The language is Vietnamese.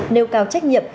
nêu cao trách nhiệm